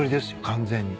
完全に。